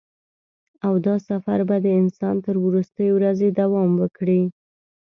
او دا سفر به د انسان تر وروستۍ ورځې دوام وکړي.